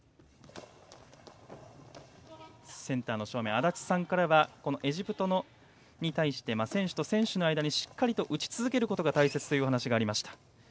安達さんからはエジプトに対して選手と選手の間にしっかり打ち続けることが大切という話がありました。